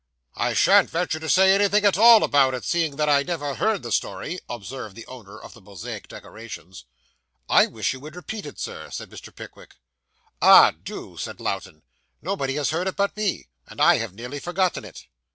'I shan't venture to say anything at all about it, seeing that I never heard the story,' observed the owner of the Mosaic decorations. 'I wish you would repeat it, Sir,' said Mr. Pickwick. 'Ah, do,' said Lowten, 'nobody has heard it but me, and I have nearly forgotten it.